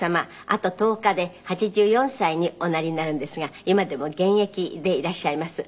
あと１０日で８４歳におなりになるんですが今でも現役でいらっしゃいます。